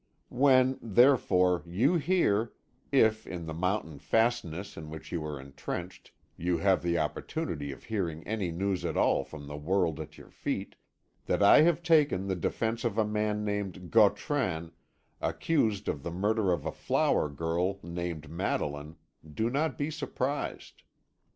When, therefore, you hear if in the mountain fastness in which you are intrenched, you have the opportunity of hearing any news at all from the world at your feet that I have undertaken the defence of a man named Gautran, accused of the murder of a flower girl named Madeline, do not be surprised.